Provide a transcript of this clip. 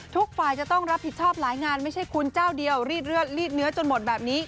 ทุกฝ่ายจะต้องรับผิดชอบหลายงานไม่ใช่คุณเจ้าเดียวรีดเลือดรีดเนื้อจนหมดแบบนี้